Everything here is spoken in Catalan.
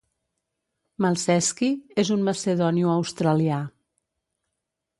Malceski és un macedonioaustralià.